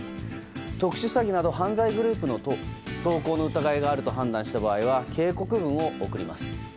特殊詐欺など犯罪グループの投稿の疑いがあると判断した場合は警告文を送ります。